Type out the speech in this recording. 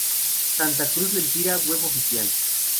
Santa Cruz Lempira Web Oficial